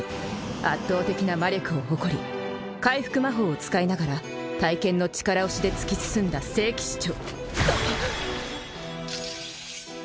「圧倒的な魔力を誇り回復魔法を使いながら」「大剣の力押しで突き進んだ聖騎士長」